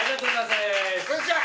こんにちは。